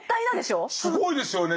すごいですよね。